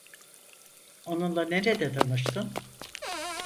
Onunla nerede tanıştın?